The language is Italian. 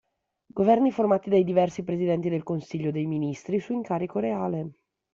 Governi formati dai diversi Presidenti del Consiglio dei ministri su incarico reale.